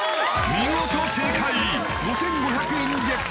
見事正解５５００円ゲット